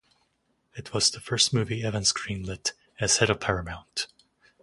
It was the first movie Evans greenlit as the head of Paramount.